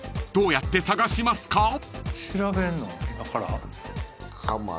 ［どうやって探しますか？］